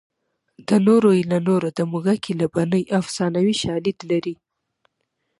د نورو یې له نورو د موږک یې له بنۍ افسانوي شالید لري